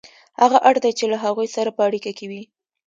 هغه اړ دی چې له هغوی سره په اړیکه کې وي